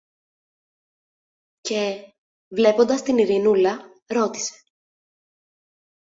Και, βλέποντας την Ειρηνούλα, ρώτησε